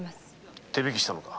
手引きしたのか？